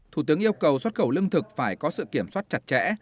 thủ tướng yêu cầu xuất khẩu lương thực phải có sự kiểm soát chặt chẽ